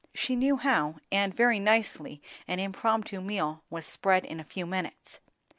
She knew how, and very nicely an impromptu meal was spread in a few minutes.